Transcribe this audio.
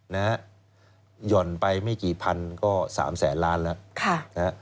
หย่อนไปไม่กี่พันก็สามแสนล้านแล้ว